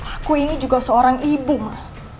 aku ini juga seorang ibu mah